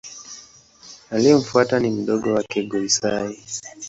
Aliyemfuata ni mdogo wake Go-Sai.